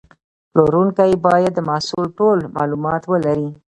پلورونکی باید د محصول ټول معلومات ولري.